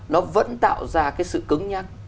nó vẫn tạo ra cái sự cứng nhắc